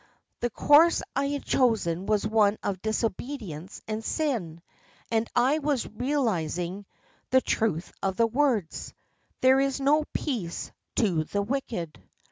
The course I had chosen was one of disobedience and sin, and I was realising the truth of the words, 'There is no peace to the wicked.